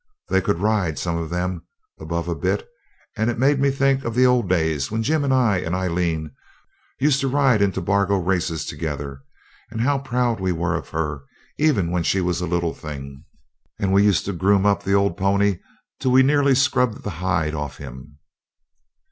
They could ride, some of them, above a bit, and it made me think of the old days when Jim and I and Aileen used to ride into Bargo races together, and how proud we were of her, even when she was a little thing, and we used to groom up the old pony till we nearly scrubbed the hide off him.